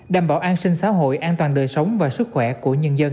đảm bảo an sinh xã hội an toàn đời sống và sức khỏe của nhân dân